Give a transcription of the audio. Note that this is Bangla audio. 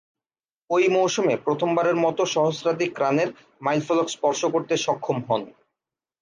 ঐ মৌসুমে প্রথমবারের মতো সহস্রাধিক রানের মাইলফলক স্পর্শ করতে সক্ষম হন।